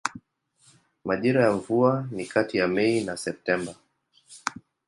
Majira ya mvua ni kati ya Mei na Septemba.